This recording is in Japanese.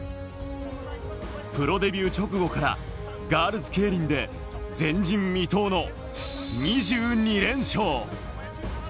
プロデビュー直後からガールズケイリンで前人未到の２２連勝。